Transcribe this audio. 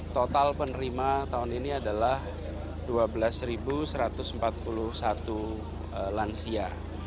total penerima tahun ini adalah dua belas satu ratus empat puluh satu lansia